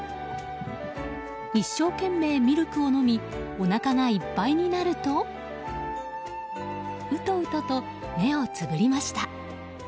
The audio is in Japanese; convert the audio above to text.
一生懸命ミルクを飲みおなかがいっぱいになるとうとうとと目をつぶりました。